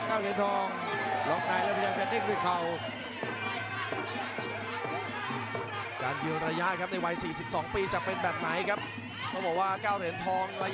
อื้อฮือต้องอาศัยความสดนะครับเก้าเหรียญทอง